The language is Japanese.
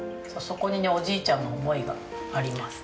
そこにねおじいちゃんの思いがあります。